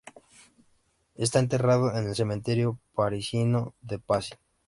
Está enterrado en el cementerio parisino de Passy.